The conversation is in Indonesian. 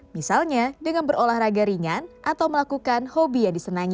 misalnya dengan berolahraga ringan atau melakukan hobi yang disenangi